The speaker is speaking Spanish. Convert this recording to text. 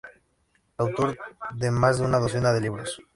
Autor de más de una docena de libros.